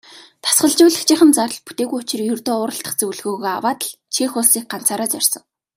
Дасгалжуулагчийнх нь зардал бүтээгүй учир ердөө уралдах зөвлөгөөгөө аваад л Чех улсыг ганцаараа зорьсон.